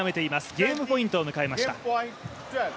ゲームポイントを迎えました。